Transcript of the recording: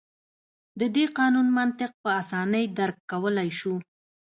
د دې قانون منطق په اسانۍ درک کولای شو.